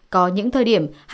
có những thời điểm